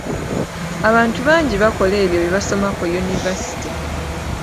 Abantu bangi bakola ebyo bye baasoma ku Yunivasite.